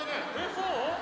そう？